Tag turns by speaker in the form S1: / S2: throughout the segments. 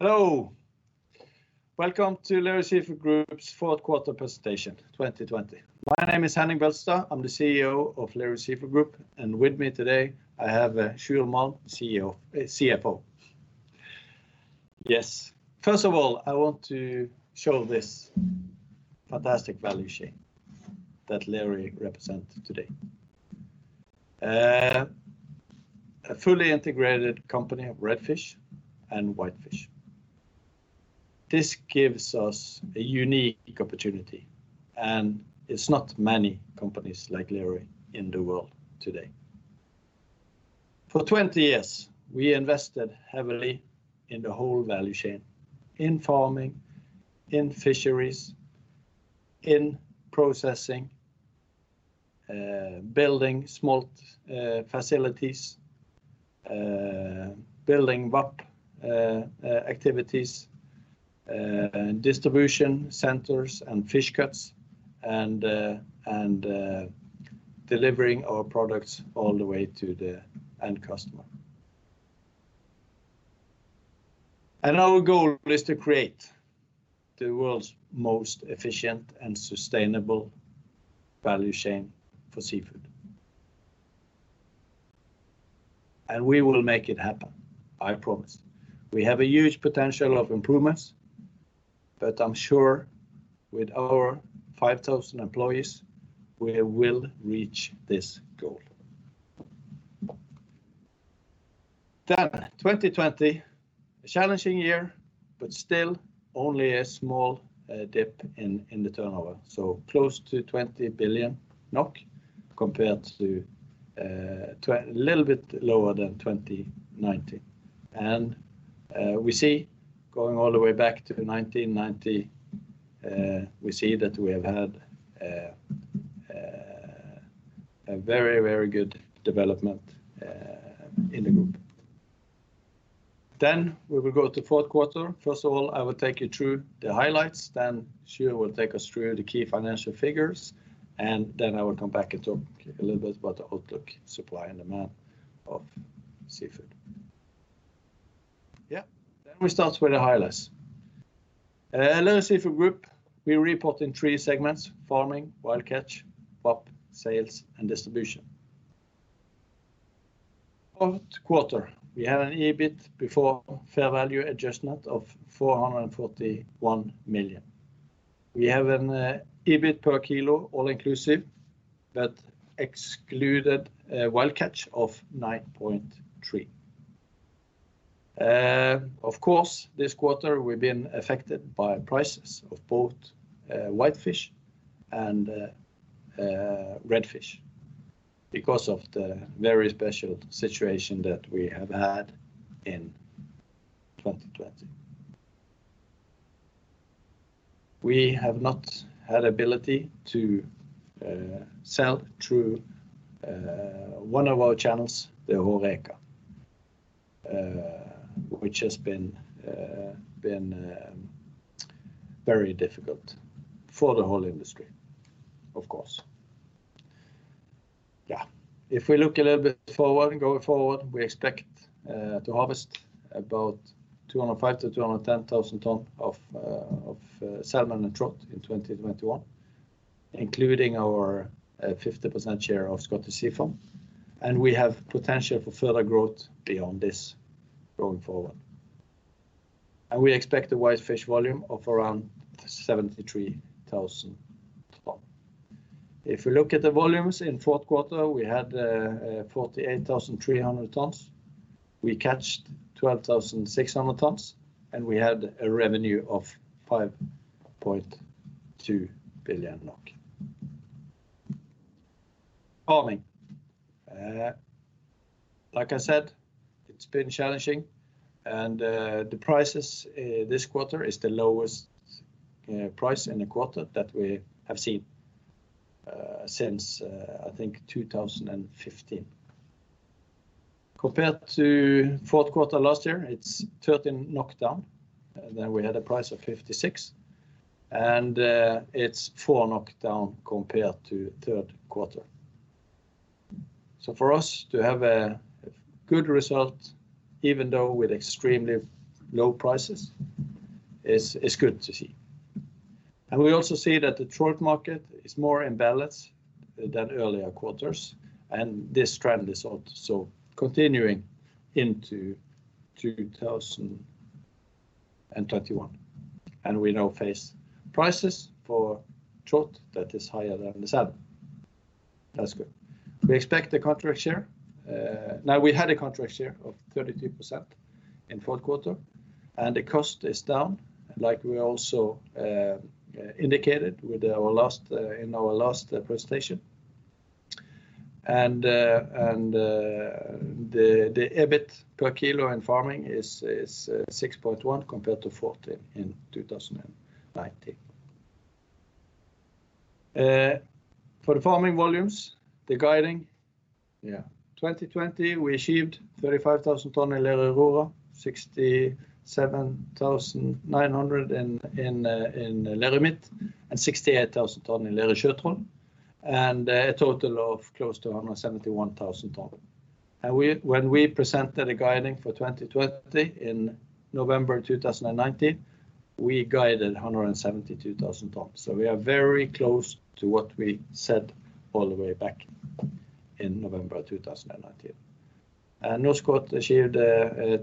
S1: Hello. Welcome to Lerøy Seafood Group's fourth quarter presentation 2020. My name is Henning Beltestad. I'm the CEO of Lerøy Seafood Group, and with me today I have Sjur Malm, CFO. Yes. First of all, I want to show this fantastic value chain that Lerøy represent today. A fully integrated company of redfish and whitefish. This gives us a unique opportunity, and it's not many companies like Lerøy in the world today. For 20 years, we invested heavily in the whole value chain. In Farming, in fisheries, in processing, building smolt facilities, building VAP activities, distribution centers, and fish cuts, and delivering our products all the way to the end customer. Our goal is to create the world's most efficient and sustainable value chain for seafood. We will make it happen, I promise. We have a huge potential of improvements, but I'm sure with our 5,000 employees, we will reach this goal. 2020, a challenging year, but still only a small dip in the turnover. Close to 20 billion NOK compared to a little bit lower than 2019. We see going all the way back to 1990, we see that we have had a very good development in the group. We will go to fourth quarter. First of all, I will take you through the highlights, then Sjur will take us through the key financial figures, and then I will come back and talk a little bit about the outlook supply and demand of seafood. Yeah. We start with the highlights. At Lerøy Seafood Group, we report in three segments: Farming, Wild Catch and VAP, Sales & Distribution. Fourth quarter, we had an EBIT before fair value adjustment of 441 million. We have an EBIT per kilo all inclusive that excluded wild catch of 9.3. Of course, this quarter we've been affected by prices of both whitefish and red fish because of the very special situation that we have had in 2020. We have not had ability to sell through one of our channels, the HoReCa, which has been very difficult for the whole industry, of course. Yeah. If we look a little bit forward, going forward, we expect to harvest about 205,000 tonnes-210,000 tonnes of salmon and trout in 2021, including our 50% share of Scottish Sea Farms. We have potential for further growth beyond this going forward. We expect a white fish volume of around 73,000 tonnes. If we look at the volumes in fourth quarter, we had 48,300 tonnes. We catched 12,600 tonnes, and we had a revenue of 5.2 billion. Farming. Like I said, it's been challenging. The prices this quarter is the lowest price in a quarter that we have seen since, I think 2015. Compared to fourth quarter last year, it's 13 down. We had a price of 56, and it's 4 down compared to third quarter. For us to have a good result, even though with extremely low prices, is good to see. We also see that the trout market is more in balance than earlier quarters, and this trend is also continuing into 2021. We now face prices for trout that is higher than the salmon. That's good. Now we had a contract share of 33% in fourth quarter, and the cost is down like we also indicated in our last presentation. The EBIT per kilo in Farming is 6.1 compared to 14 in 2019. For the Farming volumes, the guiding, yeah, 2020, we achieved 35,000 tonnes in Lerøy Aurora, 67,900 in Lerøy Midt, and 68,000 tonnes in Lerøy Sjøtroll. A total of close to 171,000 tonnes. When we presented a guiding for 2020 in November 2019, we guided 172,000 tonnes. We are very close to what we said all the way back in November 2019. Norskott Havbruk achieved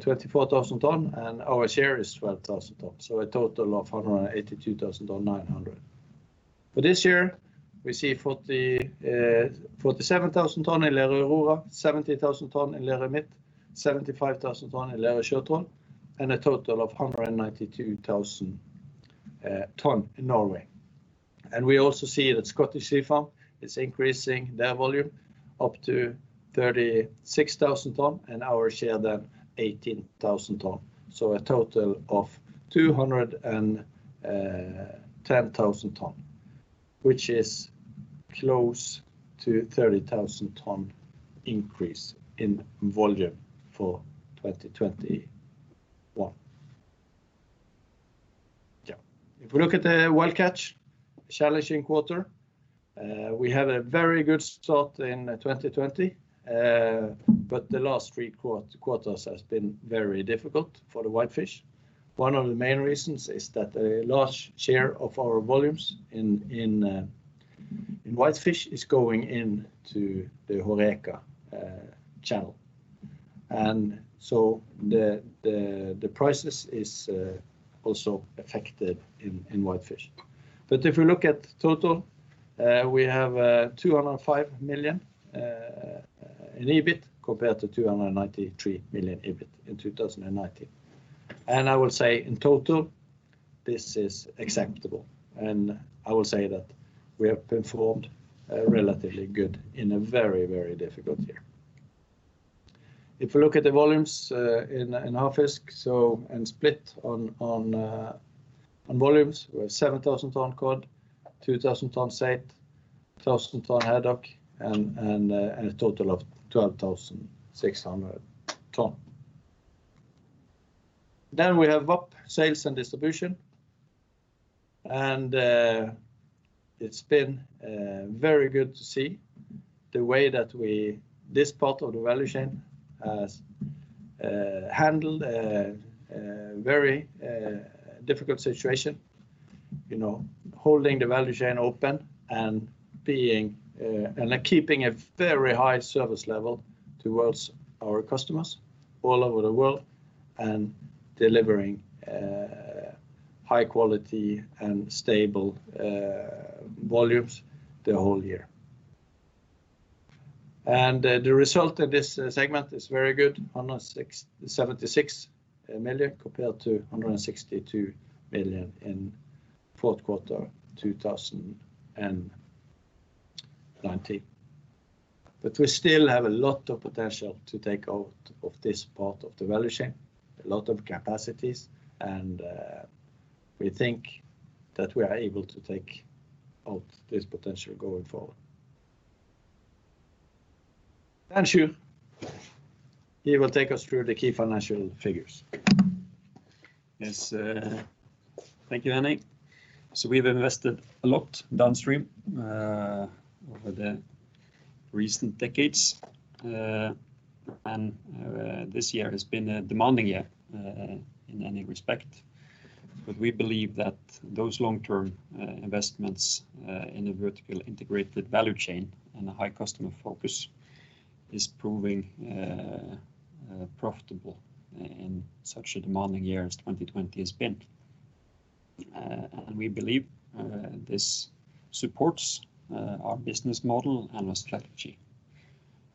S1: 24,000 tonnes, and our share is 12,000 tonnes. A total of 182,900 tonnes. For this year, we see 47,000 tonne in Lerøy Aurora, 70,000 tonne in Lerøy Midt, 75,000 tonne in Lerøy Sjøtroll, and a total of 192,000 tonne in Norway. We also see that Scottish Sea Farms is increasing their volume up to 36,000 tonnes and our share then 18,000 tonnes. A total of 210,000 tonnes, which is close to 30,000 tonne increase in volume for 2021. If we look at the wild catch, challenging quarter. We had a very good start in 2020, but the last three quarters has been very difficult for the whitefish. One of the main reasons is that a large share of our volumes in whitefish is going into the HoReCa channel. The prices is also affected in whitefish. If we look at total, we have 205 million in EBIT compared to 293 million EBIT in 2019. I will say in total, this is acceptable, I will say that we have performed relatively good in a very difficult year. If we look at the volumes in our fish and split on volumes, we have 7,000 tonne cod, 2,000 tonne saithe, 1,000 tonne haddock, and a total of 12,600 tonne. We have VAP, Sales & Distribution, and it's been very good to see the way that this part of the value chain has handled a very difficult situation, holding the value chain open and keeping a very high service level towards our customers all over the world and delivering high quality and stable volumes the whole year. The result of this segment is very good, 176 million compared to 162 million in fourth quarter 2019. We still have a lot of potential to take out of this part of the value chain, a lot of capacities, and we think that we are able to take out this potential going forward. Sjur. He will take us through the key financial figures.
S2: Thank you, Henning. We've invested a lot downstream over the recent decades. This year has been a demanding year in many respect. We believe that those long-term investments in a vertical integrated value chain and a high customer focus is proving profitable in such a demanding year as 2020 has been. We believe this supports our business model and our strategy.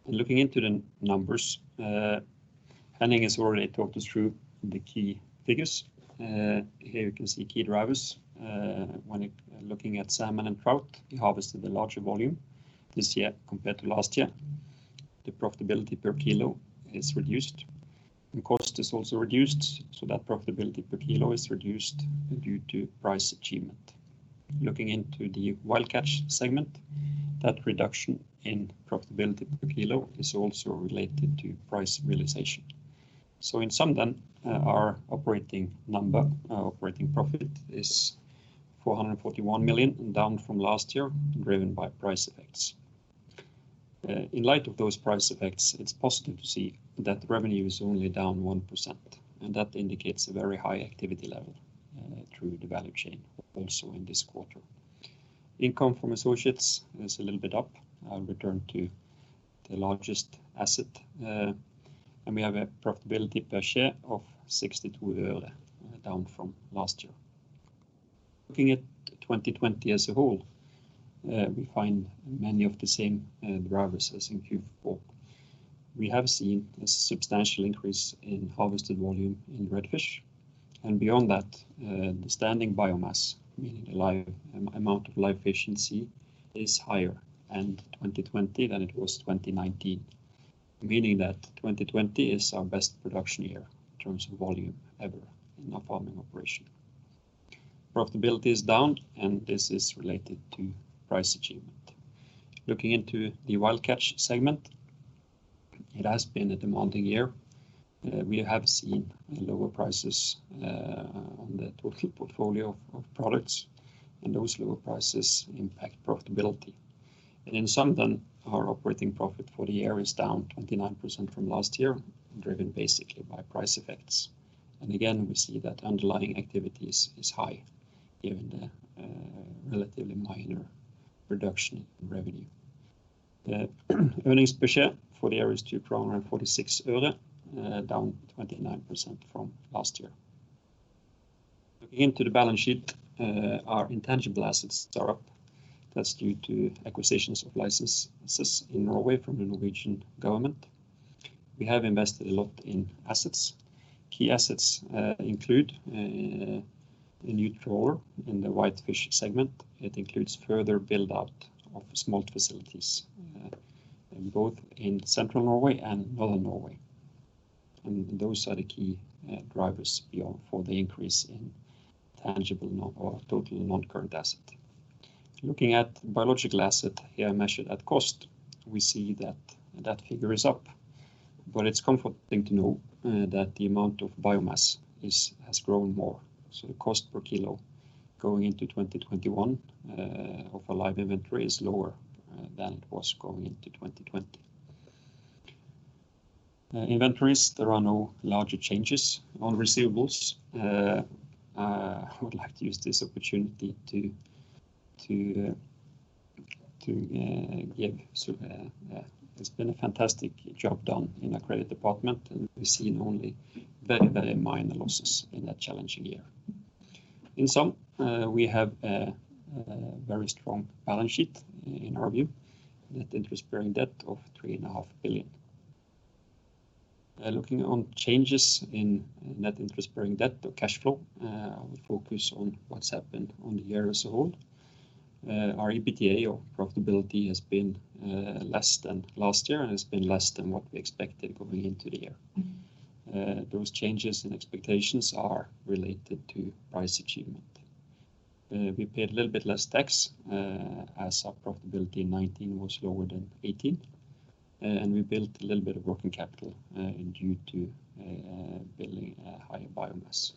S2: Looking into the numbers, Henning has already talked us through the key figures. Here you can see key drivers. When looking at salmon and trout, we harvested a larger volume this year compared to last year. The profitability per kilo is reduced, and cost is also reduced, so that profitability per kilo is reduced due to price achievement. Looking into the Wild Catch segment, that reduction in profitability per kilo is also related to price realization. In sum then our operating number, our operating profit is 441 million, down from last year, driven by price effects. In light of those price effects, it's positive to see that revenue is only down 1%, and that indicates a very high activity level through the value chain also in this quarter. Income from associates is a little bit up. I'll return to the largest asset. We have a profitability per share of NOK 0.62 down from last year. Looking at 2020 as a whole, we find many of the same drivers as in Q4. We have seen a substantial increase in harvested volume in redfish, and beyond that, the standing biomass, meaning the amount of live fish in sea, is higher in 2020 than it was 2019. Meaning that 2020 is our best production year in terms of volume ever in our Farming operation. Profitability is down. This is related to price achievement. Looking into the Wild Catch segment. It has been a demanding year. We have seen lower prices on the total portfolio of products, and those lower prices impact profitability. In sum, our operating profit for the year is down 29% from last year, driven basically by price effects. Again, we see that underlying activities is high given the relatively minor reduction in revenue. The earnings per share for the year is NOK 2.46, down 29% from last year. Looking into the balance sheet, our intangible assets are up. That's due to acquisitions of licenses in Norway from the Norwegian government. We have invested a lot in assets. Key assets include a new trawler in the Whitefish segment. It includes further build-out of smolt facilities both in Central Norway and Northern Norway. Those are the key drivers for the increase in total non-current asset. Looking at biological asset here measured at cost, we see that figure is up. It's comforting to know that the amount of biomass has grown more. The cost per kilo going into 2021 of a live inventory is lower than it was going into 2020. Inventories, there are no larger changes on receivables. I would like to use this opportunity. It's been a fantastic job done in our credit department, and we've seen only very minor losses in that challenging year. In sum, we have a very strong balance sheet in our view. Net interest-bearing debt of 3.5 billion. Looking on changes in net interest-bearing debt or cash flow, I will focus on what's happened on the year as a whole. Our EBITDA or profitability has been less than last year and has been less than what we expected going into the year. Those changes in expectations are related to price achievement. We paid a little bit less tax, as our profitability in 2019 was lower than 2018, and we built a little bit of working capital due to building a higher biomass.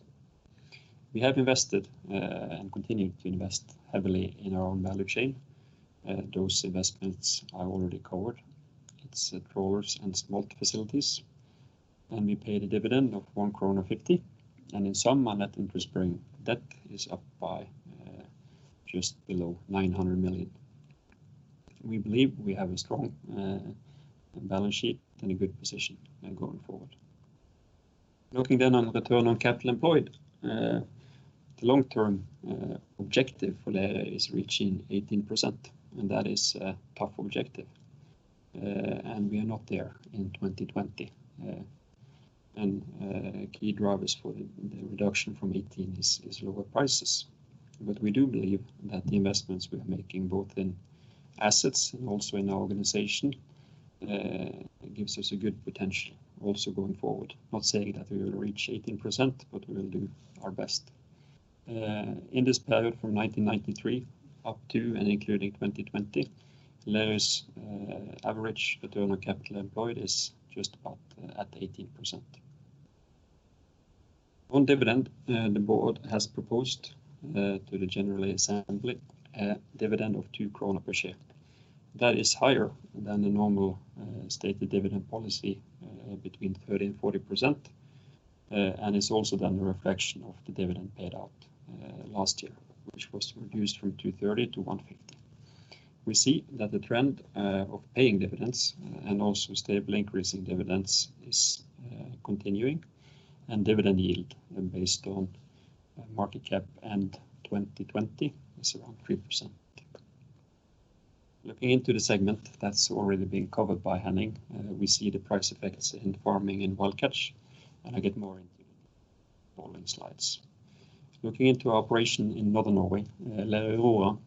S2: We have invested and continue to invest heavily in our own value chain. Those investments are already covered. It's trawlers and smolt facilities. We pay the dividend of 1.50 krone. In sum, our net interest bearing debt is up by just below 900 million. We believe we have a strong balance sheet and a good position going forward. Looking on return on capital employed. The long-term objective for that is reaching 18%, and that is a tough objective. We are not there in 2020. Key drivers for the reduction from 2018 is lower prices. We do believe that the investments we are making both in assets and also in our organization gives us a good potential also going forward. Not saying that we will reach 18%, but we will do our best. In this period from 1993 up to and including 2020, Lerøy's average return on capital employed is just about at 18%. On dividend, the board has proposed to the general assembly a dividend of 2 krone per share. That is higher than the normal stated dividend policy between 30% and 40%. It's also then a reflection of the dividend paid out last year, which was reduced from 2.30-1.50. We see that the trend of paying dividends and also stable increase in dividends is continuing, and dividend yield based on market cap and 2020 is around 3%. Looking into the segment that's already been covered by Henning. We see the price effects in Farming and Wild Catch, and I get more into the following slides. Looking into operation in Northern Norway, Lerøy Aurora.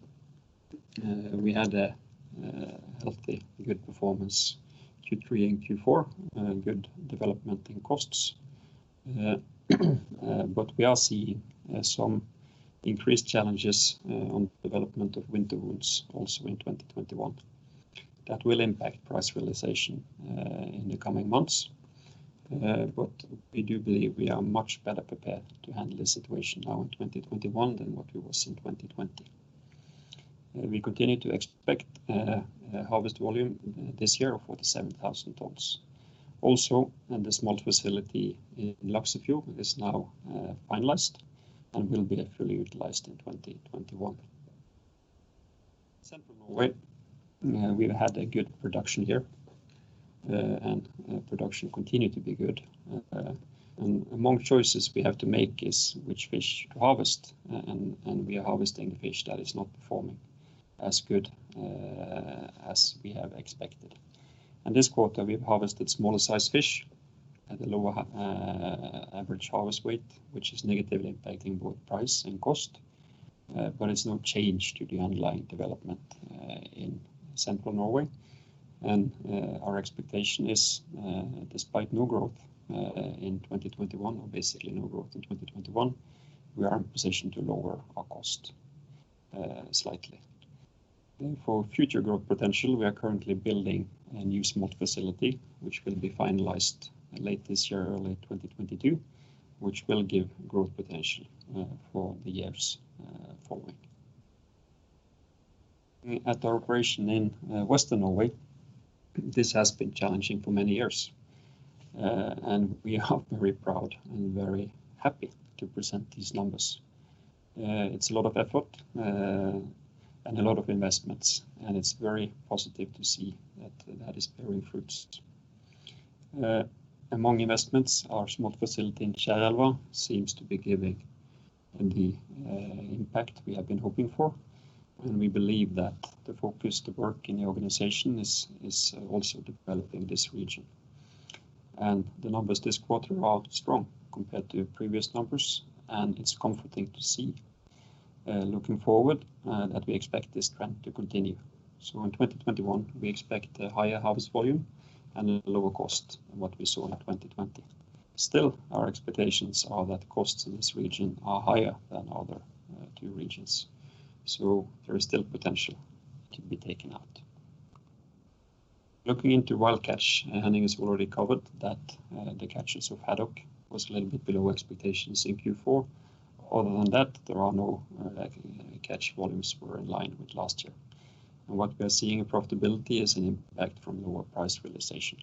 S2: We had a healthy, good performance Q3 and Q4, good development in costs. We are seeing some increased challenges on development of winter wounds also in 2021. That will impact price realization in the coming months. We do believe we are much better prepared to handle this situation now in 2021 than what we was in 2020. We continue to expect harvest volume this year of 47,000 tonnes. Also, the smolt facility in Laksefjord is now finalized and will be fully utilized in 2021. Central Norway. We've had a good production here, and production continue to be good. Among choices we have to make is which fish to harvest, and we are harvesting fish that is not performing as good as we have expected. In this quarter, we've harvested smaller size fish at a lower average harvest weight, which is negatively impacting both price and cost. It's no change to the underlying development in Central Norway. Our expectation is, despite no growth in 2021 or basically no growth in 2021, we are in position to lower our cost slightly. For future growth potential, we are currently building a new smolt facility, which will be finalized late this year, early 2022, which will give growth potential for the years following. At our operation in Western Norway, this has been challenging for many years. We are very proud and very happy to present these numbers. It's a lot of effort and a lot of investments, and it's very positive to see that that is bearing fruits. Among investments, our smolt facility in Kjærelva seems to be giving the impact we have been hoping for. We believe that the focus, the work in the organization is also developing this region. The numbers this quarter are strong compared to previous numbers, and it's comforting to see looking forward, that we expect this trend to continue. In 2021, we expect a higher harvest volume and a lower cost than what we saw in 2020. Still, our expectations are that costs in this region are higher than other two regions. There is still potential to be taken out. Looking into Wild Catch, Henning has already covered that the catches of haddock was a little bit below expectations in Q4. Other than that, catch volumes were in line with last year. What we are seeing in profitability is an impact from lower price realization.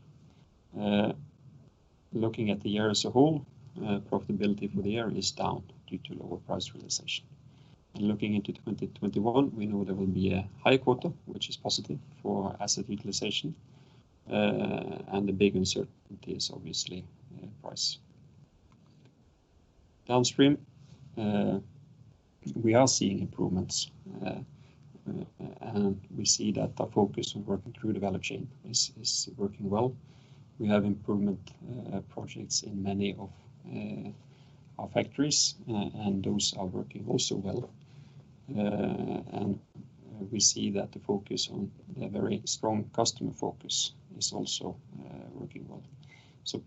S2: Looking at the year as a whole, profitability for the year is down due to lower price realization. Looking into 2021, we know there will be a higher quota, which is positive for asset utilization. The big uncertainty is obviously price. Downstream, we are seeing improvements. We see that the focus on working through the value chain is working well. We have improvement projects in many of our factories, and those are working also well. We see that the focus on the very strong customer focus is also working well.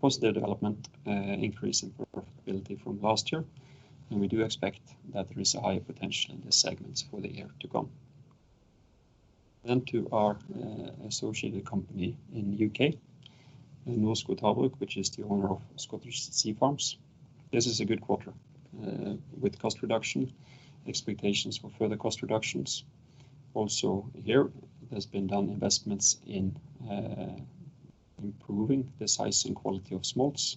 S2: Positive development increase in profitability from last year, and we do expect that there is a higher potential in this segment for the year to come. To our associated company in the U.K., Norskott Havbruk, which is the owner of Scottish Sea Farms. This is a good quarter with cost reduction, expectations for further cost reductions. Also here has been done investments in improving the size and quality of smolts.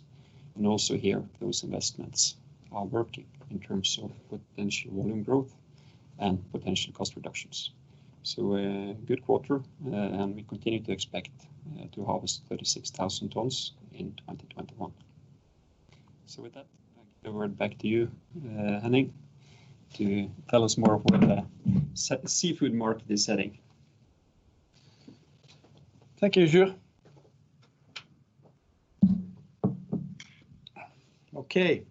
S2: Also here, those investments are working in terms of potential volume growth and potential cost reductions. A good quarter, and we continue to expect to harvest 36,000 tonnes in 2021. With that, I give the word back to you, Henning, to tell us more of where the seafood market is heading.
S1: Thank you, Sjur. Okay.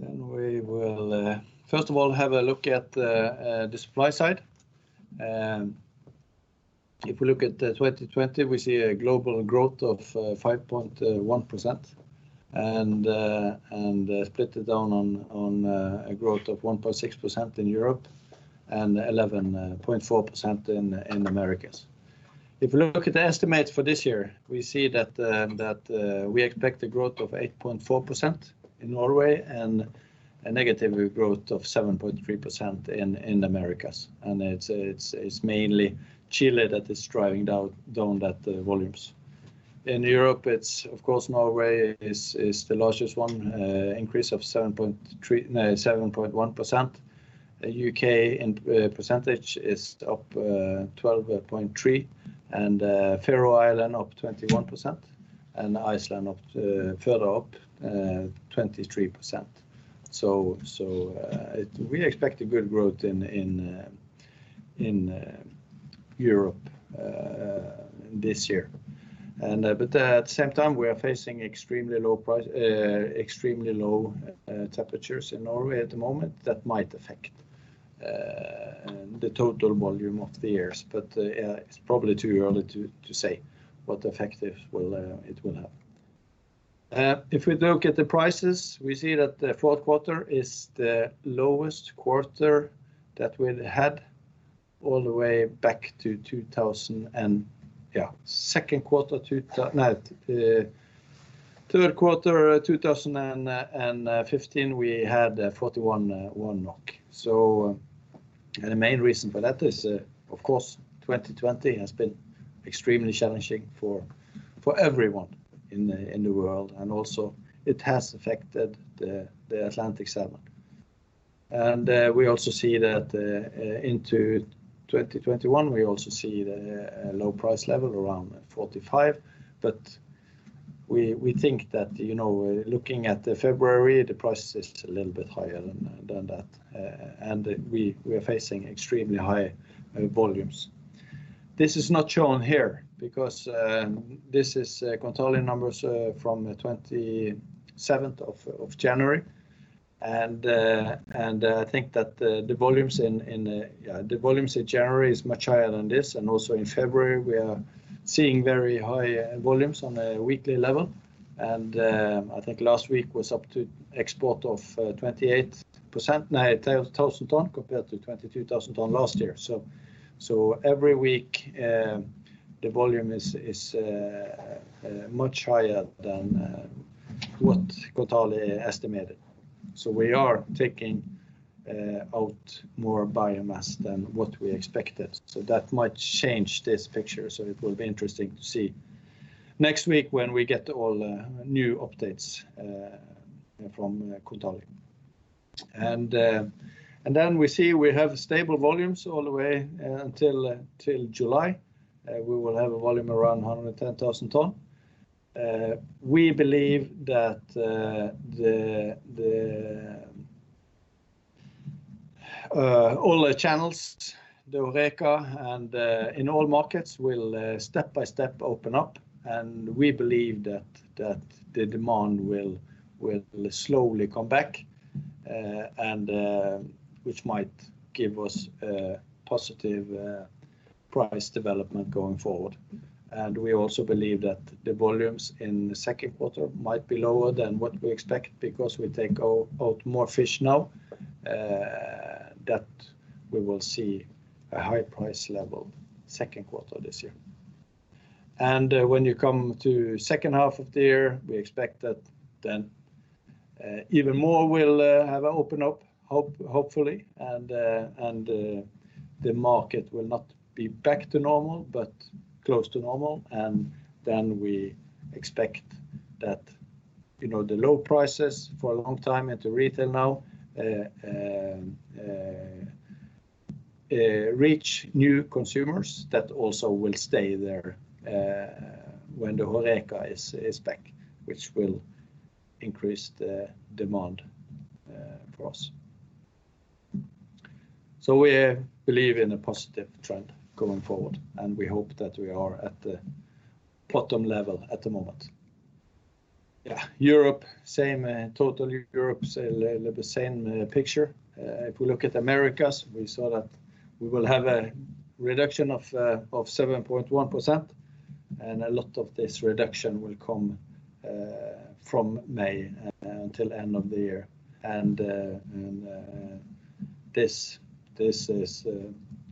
S1: We will first of all have a look at the supply side. If we look at 2020, we see a global growth of 5.1%, and split it down on a growth of 1.6% in Europe and 11.4% in Americas. If you look at the estimates for this year, we see that we expect a growth of 8.4% in Norway and a negative growth of 7.3% in Americas. It's mainly Chile that is driving down that volumes. In Europe, of course, Norway is the largest one, increase of 7.1%. U.K. in percentage is up 12.3%, and Faroe Island up 21%, and Iceland further up 23%. We expect a good growth in Europe this year. At the same time, we are facing extremely low temperatures in Norway at the moment that might affect the total volume of the years. It's probably too early to say what effect it will have. If we look at the prices, we see that the fourth quarter is the lowest quarter that we've had all the way back to second quarter. Third quarter 2015, we had 41. The main reason for that is, of course, 2020 has been extremely challenging for everyone in the world, and also it has affected the Atlantic salmon. We also see that into 2021, we also see the low price level around 45. We think that looking at February, the price is a little bit higher than that. We are facing extremely high volumes. This is not shown here because this is Kontali numbers from January 27th. I think that the volumes in January is much higher than this, and also in February, we are seeing very high volumes on a weekly level. I think last week was up to export of 28%, 18,000 tonne compared to 22,000 tonne last year. Every week, the volume is much higher than what Kontali estimated. We are taking out more biomass than what we expected. That might change this picture, so it will be interesting to see next week when we get all the new updates from Kontali. We see we have stable volumes all the way until July. We will have a volume around 110,000 tonne. We believe that all the channels, the HoReCa, and in all markets will step-by-step open up, and we believe that the demand will slowly come back, which might give us a positive price development going forward. We also believe that the volumes in the second quarter might be lower than what we expect because we take out more fish now, that we will see a high price level second quarter this year. When you come to second half of the year, we expect that then even more will have opened up, hopefully. The market will not be back to normal, but close to normal. Then we expect that the low prices for a long time in the retail now reach new consumers that also will stay there when the HoReCa is back, which will increase the demand for us. We believe in a positive trend going forward, and we hope that we are at the bottom level at the moment. Yeah. Total Europe say the same picture. If we look at Americas, we saw that we will have a reduction of 7.1%, a lot of this reduction will come from May until end of the year. This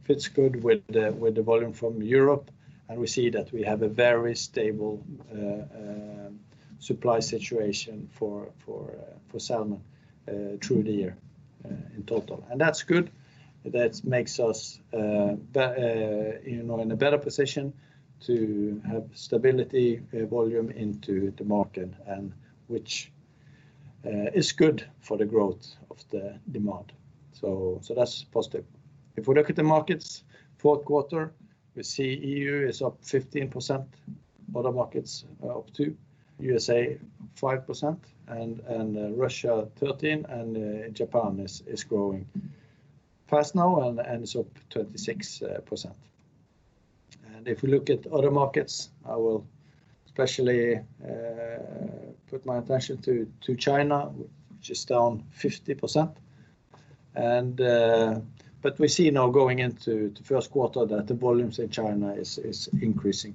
S1: fits good with the volume from Europe, and we see that we have a very stable supply situation for salmon through the year in total. That's good. That makes us in a better position to have stability volume into the market, and which is good for the growth of the demand. That's positive. If we look at the markets, fourth quarter, we see EU is up 15%. Other markets are up too. USA 5%, and Russia 13%, and Japan is growing fast now and is up 26%. If we look at other markets, I will especially put my attention to China, which is down 50%. We see now going into the first quarter that the volumes in China is increasing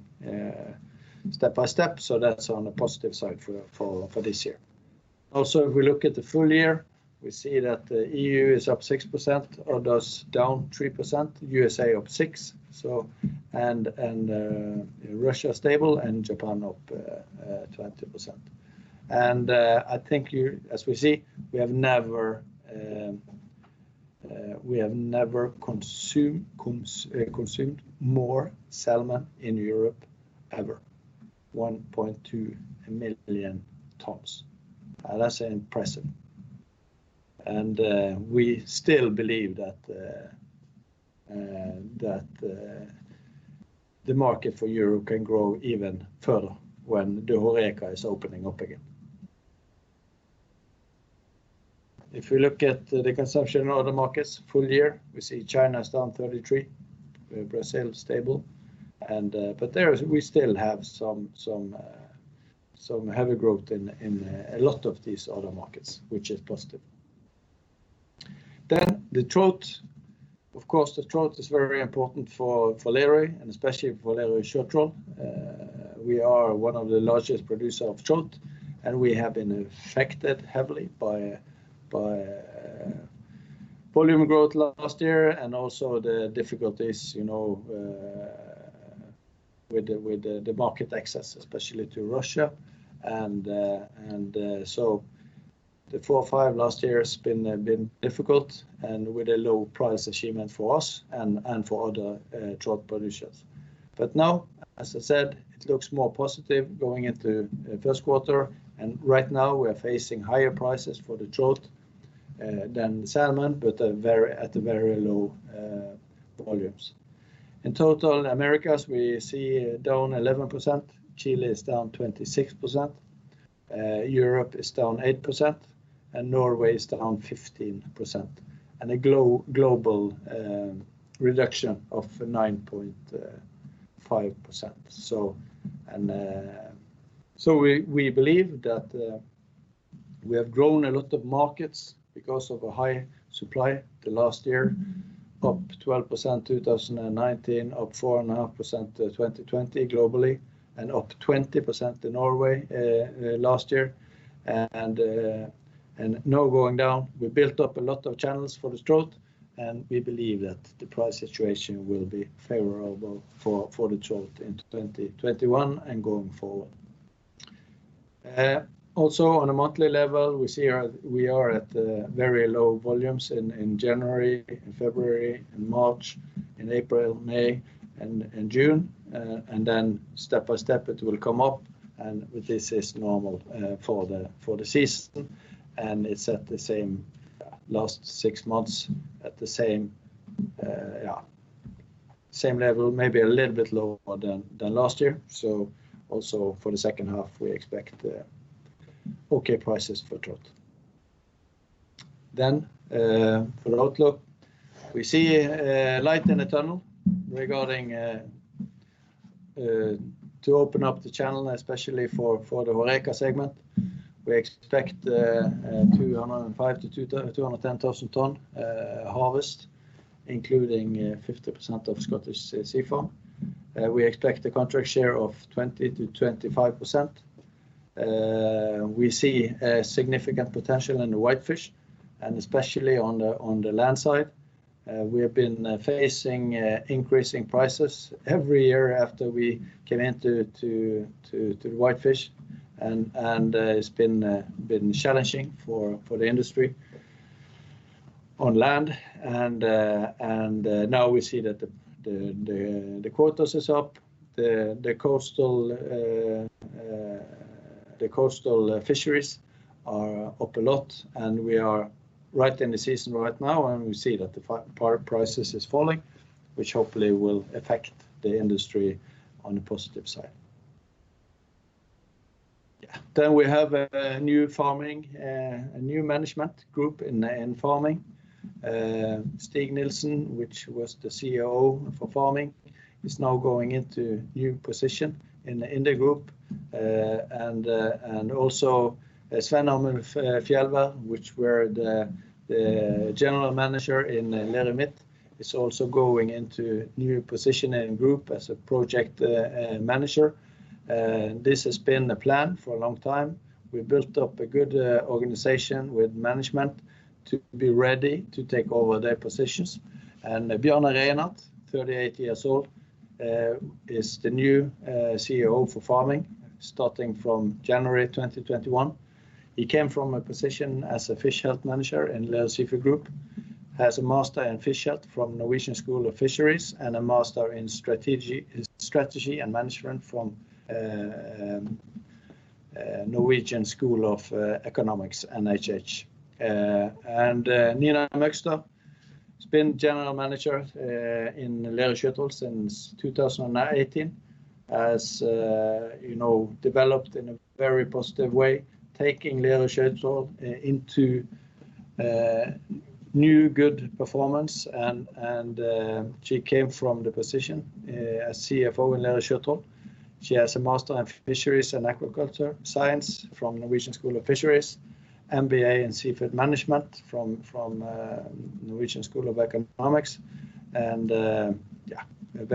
S1: step by step, so that's on the positive side for this year. If we look at the full year, we see that the EU is up 6%, others down 3%, U.S. up 6%. Russia stable and Japan up 20%. I think as we see, we have never consumed more salmon in Europe ever, 1.2 million tonnes. That's impressive. We still believe that the market for Europe can grow even further when the HoReCa is opening up again. If we look at the consumption in other markets full year, we see China is down 33%, Brazil stable. There, we still have some heavy growth in a lot of these other markets, which is positive. The trout. Of course, the trout is very important for Lerøy, and especially for Lerøy Seafood. We are one of the largest producer of trout, and we have been affected heavily by volume growth last year and also the difficulties with the market access, especially to Russia. The four or five last year has been difficult and with a low price achievement for us and for other trout producers. Now, as I said, it looks more positive going into first quarter. Right now we're facing higher prices for the trout than the salmon, but at very low volumes. In total, Americas, we see down 11%, Chile is down 26%, Europe is down 8%, and Norway is down 15%. A global reduction of 9.5%. We believe that we have grown a lot of markets because of a high supply the last year, up 12% 2019, up 4.5% 2020 globally, and up 20% in Norway last year. Now going down, we built up a lot of channels for the trout, and we believe that the price situation will be favorable for the trout in 2021 and going forward. Also, on a monthly level, we see we are at very low volumes in January, in February, in March, in April, May, and June. Step by step, it will come up, and this is normal for the season. It's at the same last six months, at the same level, maybe a little bit lower than last year. Also for the second half, we expect okay prices for trout. For the outlook, we see a light in the tunnel regarding to open up the channel, especially for the HoReCa segment. We expect 205,000 tonnes-210,000 tonnes harvest, including 50% of Scottish Sea Farms. We expect a contract share of 20%-25%. We see a significant potential in the whitefish, and especially on the land side. We have been facing increasing prices every year after we came into the whitefish, and it's been challenging for the industry on land. Now we see that the quotas is up, the coastal fisheries are up a lot. We are right in the season right now, and we see that the prices is falling, which hopefully will affect the industry on the positive side. We have a new management group in Farming. Stig Nilsen, which was the CEO for Farming, is now going into new position in the Group. Also Sven Amund Fjeldvær, which were the General Manager in Lerøy Midt, is also going into new position in Group as a Project Manager. This has been the plan for a long time. We built up a good organization with management to be ready to take over their positions. Bjarne Reinert, 38 years old, is the new CEO for Farming, starting from January 2021. He came from a position as a Fish Health Manager in Lerøy Seafood Group, has a master in fish health from Norwegian College of Fishery Science, and a master in strategy and management from Norwegian School of Economics, NHH. Nina Møgster has been General Manager in Lerøy Sjøtroll since 2018. As you know, developed in a very positive way, taking Lerøy Sjøtroll into new good performance, she came from the position as CFO in Lerøy Sjøtroll. She has a master in fisheries and aquaculture science from Norwegian College of Fishery Science, MBA in seafood management from Norwegian School of Economics. Yeah, has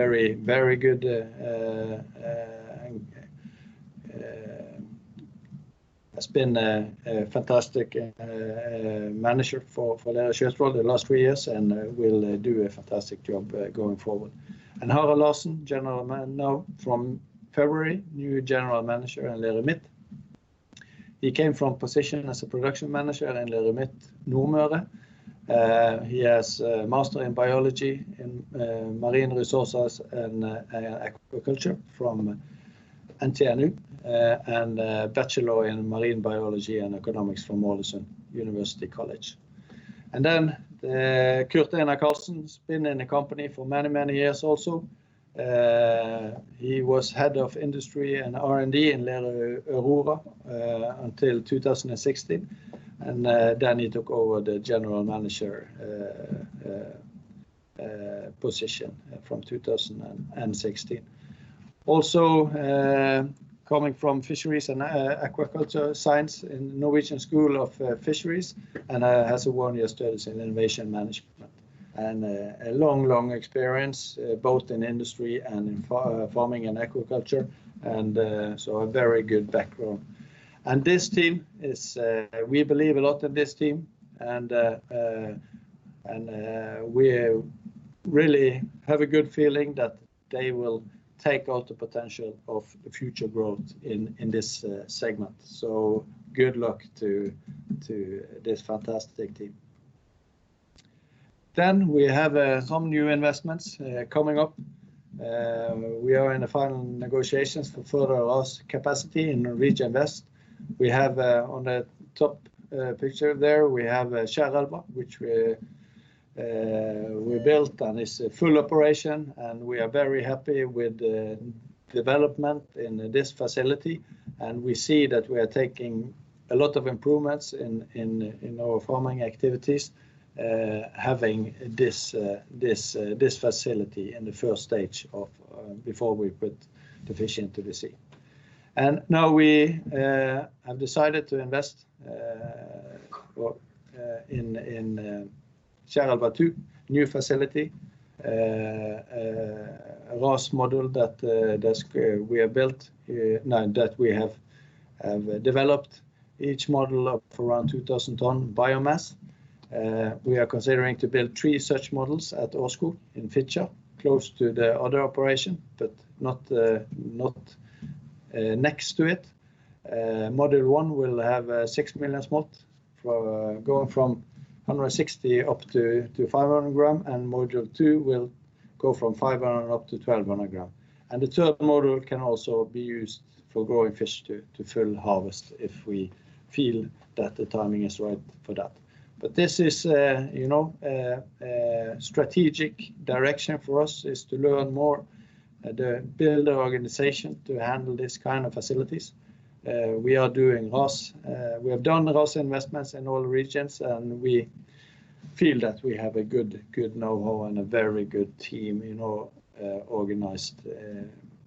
S1: been a fantastic manager for Lerøy Sjøtroll the last three years, will do a fantastic job going forward. Børge Soleng, now from February, new general manager in Lerøy Midt. He came from position as a production manager in Lerøy Midt Nordmøre. He has a master in biology in marine resources and aquaculture from NTNU, a bachelor in marine biology and economics from Ålesund University College. Kurt-Einar Karlsen's been in the company for many years also. He was head of industry and R&D in Lerøy Aurora until 2016, and then he took over the general manager position from 2016. Also coming from fisheries and aquaculture science in Norwegian College of Fishery Science, and has a one-year studies in innovation management. A long experience both in industry and in farming and aquaculture, a very good background. We believe a lot in this team, and we really have a good feeling that they will take all the potential of the future growth in this segment. Good luck to this fantastic team. We have some new investments coming up. We are in the final negotiations to further our RAS capacity in West Norway. On the top picture there, we have [Kjærelva], which we built, and it's a full operation, and we are very happy with the development in this facility. We see that we are taking a lot of improvements in our Farming activities having this facility in the first stage before we put the fish into the sea. Now we have decided to invest in Kjærelva 2, new facility, a RAS module that we have developed, each module of around 2,000 tonnes biomass. We are considering to build three such modules at Årskog in Fitjar, close to the other operation, but not next to it. Module 1 will have a 6 million smolt, going from 160 g up to 500 g, and Module 2 will go from 500 g up to 1,200 g. The third module can also be used for growing fish to full harvest if we feel that the timing is right for that. This is a strategic direction for us, is to learn more, build our organization to handle these kind of facilities. We have done RAS investments in all regions, and we feel that we have a good know-how and a very good team organized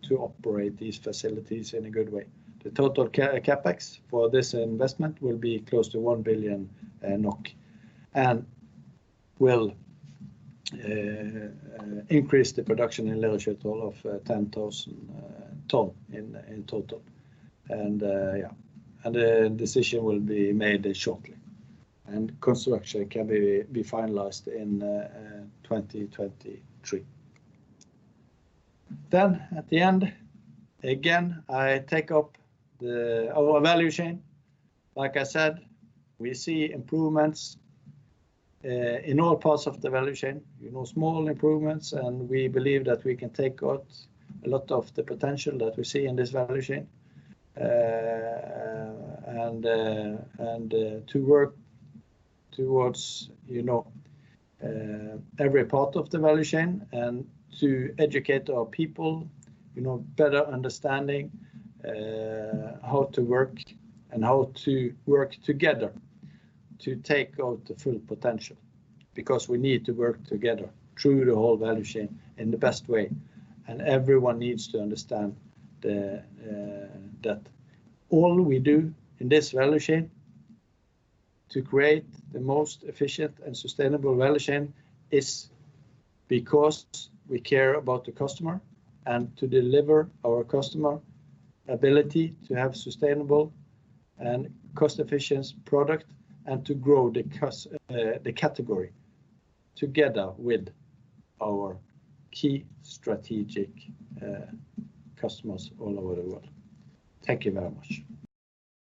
S1: to operate these facilities in a good way. The total CapEx for this investment will be close to 1 billion NOK, and will increase the production in Lerøy Seafood of 10,000 tonnes in total. The decision will be made shortly, and construction can be finalized in 2023. At the end, again, I take up our value chain. Like I said, we see improvements in all parts of the value chain, small improvements, and we believe that we can take out a lot of the potential that we see in this value chain. To work towards every part of the value chain and to educate our people, better understanding how to work and how to work together to take out the full potential. Because we need to work together through the whole value chain in the best way, and everyone needs to understand that all we do in this value chain to create the most efficient and sustainable value chain is because we care about the customer, and to deliver our customer ability to have sustainable and cost efficient product, and to grow the category together with our key strategic customers all over the world. Thank you very much.